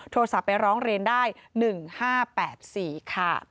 โทรศัพท์ไปร้องเรียนได้๑๕๘๔ค่ะ